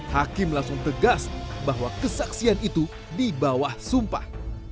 hakim langsung tegas bahwa kesaksian itu di bawah sumpah